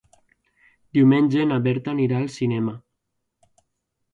Diumenge na Berta anirà al cinema.